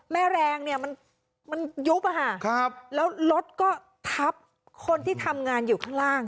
แรงเนี่ยมันยุบอะค่ะครับแล้วรถก็ทับคนที่ทำงานอยู่ข้างล่าง